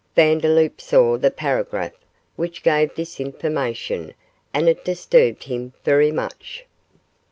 Vandeloup saw the paragraph which gave this information, and it disturbed him very much.